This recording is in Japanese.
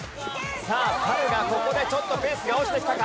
さあサルがここでちょっとペースが落ちてきたか？